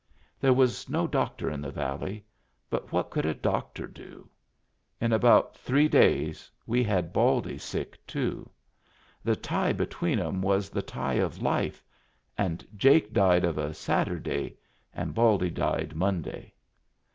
There was no doctor in the valley, but what could a doctor do? In about three days we had Baldy sick, too. The tie between 'em was the tie of life, and Jake died of a Saturday and Baldy died Monday.